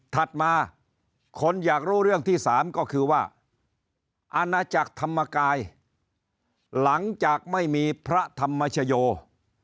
ถัดมาคนอยากรู้เรื่องที่สามก็คือว่าอาณาจักรธรรมกายหลังจากไม่มีพระธรรมชโย